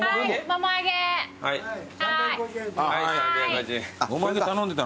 もも揚げ頼んでたのね。